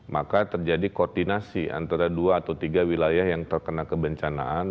maka terjadi koordinasi antara dua atau tiga wilayah yang terkena kebencanaan